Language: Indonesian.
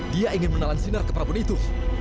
dia ingin menelan sinar ke prabon itu